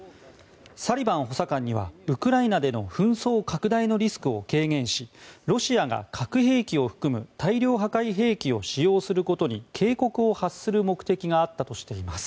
サリバン補佐官にはウクライナでの紛争拡大のリスクを軽減し、ロシアが核兵器を含む大量破壊兵器を使用することに警告を発する目的があったとしています。